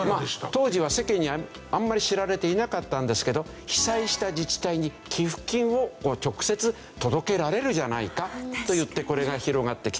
当時は世間にあんまり知られていなかったんですけど被災した自治体に寄付金を直接届けられるじゃないかといってこれが広がってきた。